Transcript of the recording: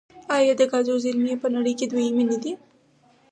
آیا د ګازو زیرمې یې په نړۍ کې دویمې نه دي؟